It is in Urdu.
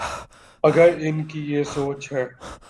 اگر ان کی یہ سوچ ہے۔